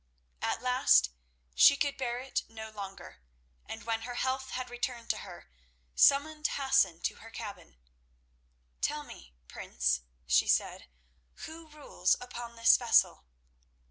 At last she could bear it no longer, and when her health had returned to her, summoned Hassan to her cabin. "Tell me, prince," she said, "who rules upon this vessel?"